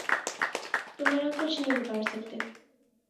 تم میرا کچھ نہیں بگاڑ سکتے۔